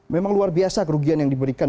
memang luar biasa kerugian yang diberikan